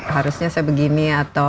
harusnya saya begini atau